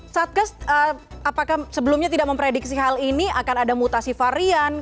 satgas apakah sebelumnya tidak memprediksi hal ini akan ada mutasi varian